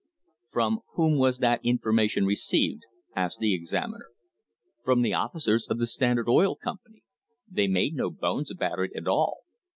"From whom was that information received?" asked the examiner. "From the officers of the Standard Oil Company. They made no bones about it at all.